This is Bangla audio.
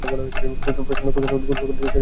প্রচণ্ড ক্ষুধার্ত, গোসল শেষ করে বাসায় গিয়ে খাবে।